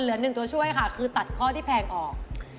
เหลือ๑ตัวช่วยค่ะคือตัดข้อที่แพงออก